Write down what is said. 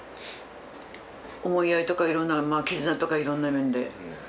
思いやりとかいろんな絆とかいろんな面で。